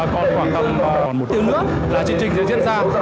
còn khoảng tầm một tiếng nữa là chương trình sẽ diễn ra